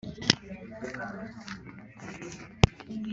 ingingo ya kane ivanwaho ry ingingo